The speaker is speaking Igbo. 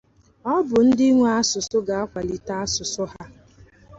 Ọ bụ ndị nwe asụsụ ga-akwalite asụsụ ha